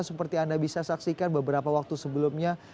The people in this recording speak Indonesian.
seperti anda bisa saksikan beberapa waktu sebelumnya